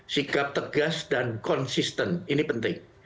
sikap tegas dan konsisten ini penting